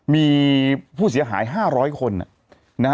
มีผู้เสียหาย๕๐๐คน